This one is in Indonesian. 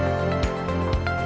selamat ulang tahun cnn indonesia